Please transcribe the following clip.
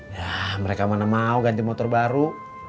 ya mereka mana mau ganti motor baru